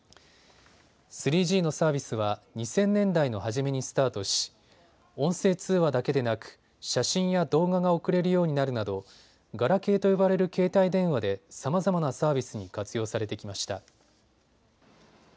３Ｇのサービスは２０００年代の初めにスタートし音声通話だけでなく写真や動画が送れるようになるなどガラケーと呼ばれる携帯電話でさまざまなサービスに活用されてきました。